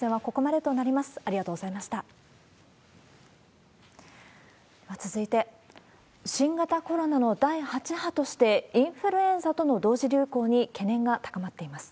では、続いて、新型コロナの第８波として、インフルエンザとの同時流行に、懸念が高まっています。